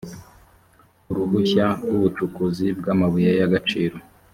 uruhushya rw ubucukuzi bw amabuye y agaciro